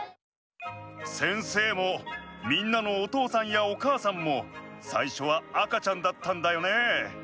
先生もみんなのおとうさんやおかあさんもさいしょは赤ちゃんだったんだよね。